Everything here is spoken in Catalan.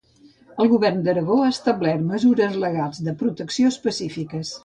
El govern d'Aragó ha establert mesures legals de protecció específiques.